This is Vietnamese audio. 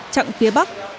chặn phía bắc